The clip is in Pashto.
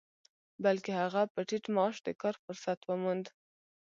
بلکې هغه په ټيټ معاش د کار فرصت وموند.